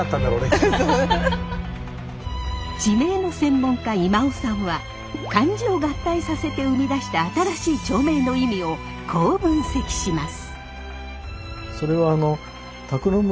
地名の専門家今尾さんは漢字を合体させて生み出した新しい町名の意味をこう分析します。